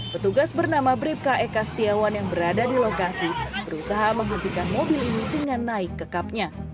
petugas bernama bribka eka setiawan yang berada di lokasi berusaha menghentikan mobil ini dengan naik ke kapnya